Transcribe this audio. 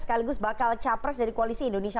sekaligus bakal capres dari koalisi indonesia